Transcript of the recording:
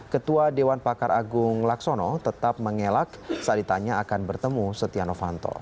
ketua dewan pakar agung laksono tetap mengelak saat ditanya akan bertemu setia novanto